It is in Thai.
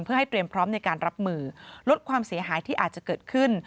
เพื่อให้เตรียมพร้อมในการรับมือลดความเสียหายที่อาจจะเกิดขึ้น